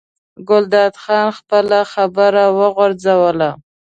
ګلداد خان خپله خبره وغځوله.